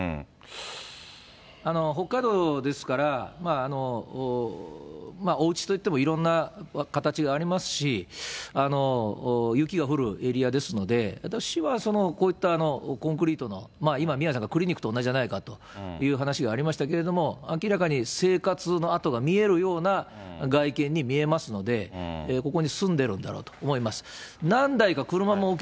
北海道ですから、おうちといってもいろんな形がありますし、雪が降るエリアですので、私は、こういったコンクリートの、今、宮根さんがクリニックと同じじゃないかという話がありましたけれども、明らかに生活の跡が見えるような外見に見えますので、ここに住んでるんだろうと思います。